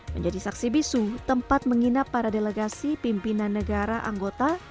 menjadi saksi bisu tempat menginap para delegasi pimpinan negara anggota gerakan non blok